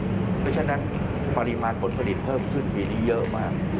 เพราะฉะนั้นปริมาณผลผลิตเพิ่มขึ้นปีนี้เยอะมาก